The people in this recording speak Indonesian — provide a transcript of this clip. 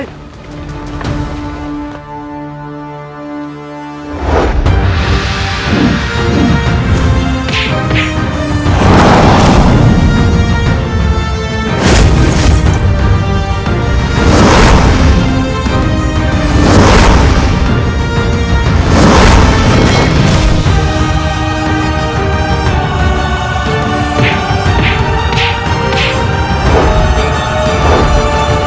tidak ada yang menjaga